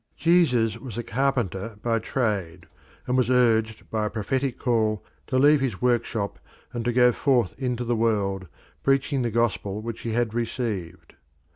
Jesus was a carpenter by trade, and was urged by a prophetic call to leave his workshop and to go forth into the world, preaching the gospel which he had received.